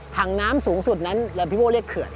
ถังน้ำสูงสุดนั้นแล้วพี่โก้เรียกเขื่อน